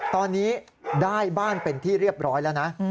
ตอนนี้ได้บ้านเป็นที่เรียบร้อยแล้วนะ